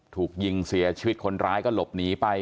ถูกยิงเสียชีวิตคนร้ายก็หลบหนีไป